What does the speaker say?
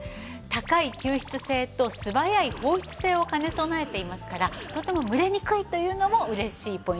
高い吸湿性と素早い放湿性を兼ね備えていますからとてもムレにくいというのも嬉しいポイントです。